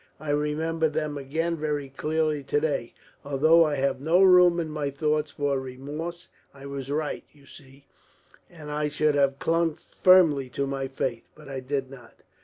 I remember them again very clearly to day, although I have no room in my thoughts for remorse. I was right, you see, and I should have clung firmly to my faith. But I did not."